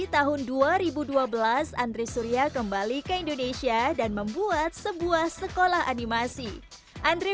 tahun dua ribu dua belas andri surya kembali ke indonesia dan membuat sebuah sekolah animasi andri